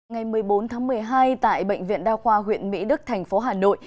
ngày một mươi bốn tháng một mươi hai tại bệnh viện đa khoa huyện mỹ đức thành phố hà nội